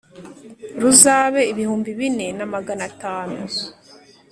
ruzabe ibihumbi bine na magana atanu